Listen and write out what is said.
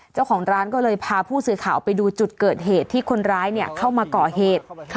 เจ้าของร้านก็เลยพาผู้สื่อข่าวไปดูจุดเกิดเหตุที่คนร้ายเข้ามาก่อเหตุ